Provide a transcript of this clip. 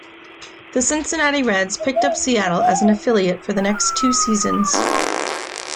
The Cincinnati Reds picked up Seattle as an affiliate for the next two seasons.